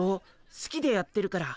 すきでやってるから。